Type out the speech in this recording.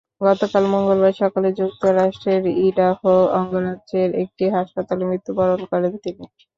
গতকাল মঙ্গলবার সকালে যুক্তরাষ্ট্রের ইডাহো অঙ্গরাজ্যের একটি হাসপাতালে মৃত্যুবরণ করেন তিনি।